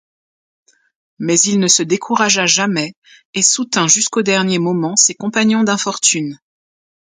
Mais il ne se découragea jamais et soutint jusqu’au dernier moment ses compagnons d’infortune.